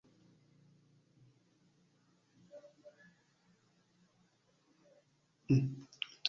Ankaŭ verŝajne ne estis nur unu pralingvo.